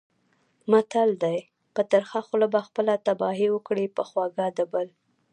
متل دی: په ترخه خوله به خپله تباهي وکړې، په خوږه د بل.